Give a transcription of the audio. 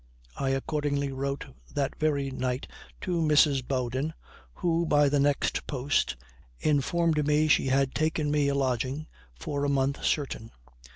I accordingly wrote that very night to Mrs. Bowden, who, by the next post, informed me she had taken me a lodging for a month certain.